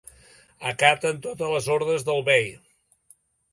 Acatem totes les ordres del bei.